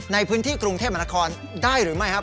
ในพื้นที่กรุงเทพมนาคอนได้หรือไม่ครับ